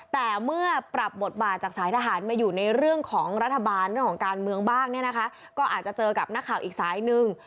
แต่เมื่อปรับบทบาทจากสายทหารมาอยู่ในเรื่องของรัฐบาลเรื่องของการเมืองบ้างเนี่ยนะคะก็อาจจะเจอกับนักข่าวอีกสายนึง